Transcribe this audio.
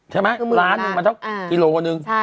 ใช่ไหมล้านหนึ่งมันเท่ากิโลนึง